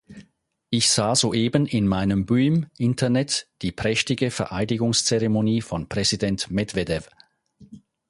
Ich sah soeben in meinem Büim Internet die prächtige Vereidigungszeremonie von Präsident Medwedew.